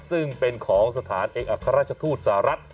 ซึ่งเป็นของสถานเอกอัครราชทูตสหรัฐ